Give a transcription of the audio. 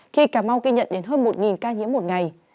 khi cà mau ghi nhận đến hơn một ca nhiễm một ngày